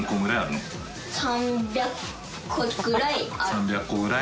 ３００個ぐらい？